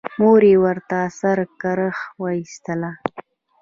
مور يې ورته سره کرښه وايستله.